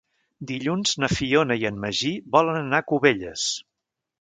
Dilluns na Fiona i en Magí volen anar a Cubelles.